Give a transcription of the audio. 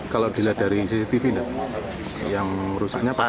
kalau dilihat dari cctv nggak yang rusaknya apa